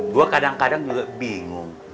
gue kadang kadang juga bingung